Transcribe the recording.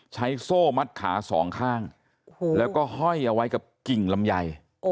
โซ่มัดขาสองข้างแล้วก็ห้อยเอาไว้กับกิ่งลำไย